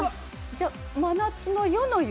じゃあ『真夏の夜の夢』。